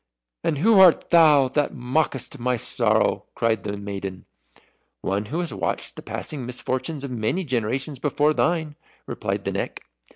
"And who art thou that mockest my sorrow?" cried the maiden. "One who has watched the passing misfortunes of many generations before thine," replied the Neck.